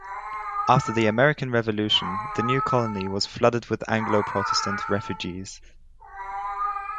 After the American Revolution, the new colony was flooded with Anglo-Protestant refugees.